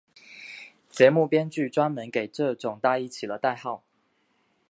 节目编剧专门给这种大衣起了代号。